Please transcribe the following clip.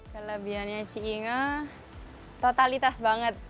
kelebihannya cie inge totalitas banget